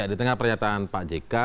di tengah pernyataan pak jk